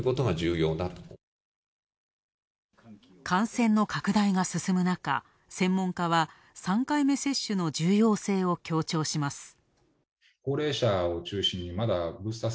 感染の拡大が進むなか、専門家は３回目接種の重要性を強調します。